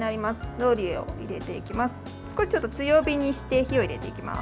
ローリエを入れていきます。